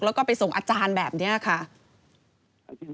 แล้วก็ไปส่งอาจารย์แบบนี้ค่ะ